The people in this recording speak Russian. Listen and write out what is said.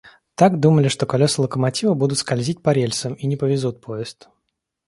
Так, думали, что колеса локомотива будут скользить по рельсам и не повезут поезд.